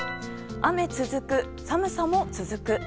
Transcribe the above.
雨続く、寒さも続く。